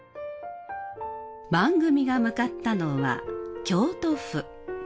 番組が向かったのは京都府。